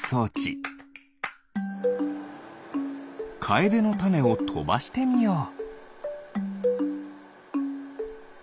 カエデのタネをとばしてみよう。